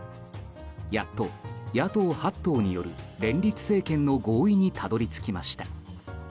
やっと野党８党による連立政権の合意にたどり着きました。